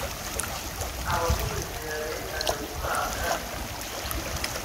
abamwizera bendaga guhabwa ikuzo